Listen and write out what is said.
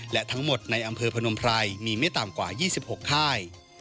และทั้งหมดในอำเภอพนมไพรมีไม่ต่ำกว่า๒๖ค่าย